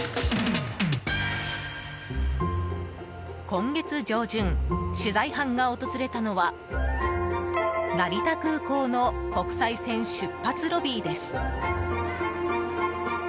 今月上旬、取材班が訪れたのは成田空港の国際線出発ロビーです。